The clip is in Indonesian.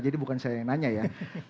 jadi bukan saya yang nanya ya